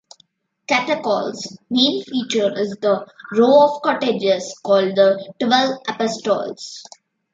Catacol's main feature is the row of cottages called the 'Twelve Apostles'.